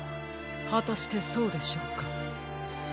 はたしてそうでしょうか？